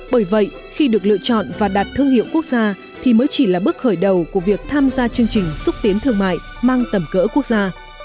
bởi vậy khi được lựa chọn và đạt thương hiệu quốc gia thì mới chỉ là bước khởi đầu của việc tham gia chương trình xúc tiến thương mại mang tầm cỡ quốc gia